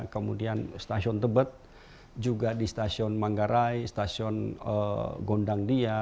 kemudian stasiun tebet juga di stasiun manggarai stasiun gondang dia